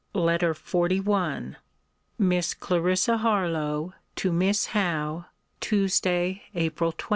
LETTER XLI MISS CLARISSA HARLOWE, TO MISS HOWE TUESDAY, APRIL 20.